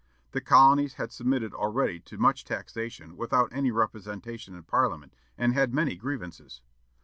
The colonies had submitted already to much taxation without any representation in Parliament, and had many grievances.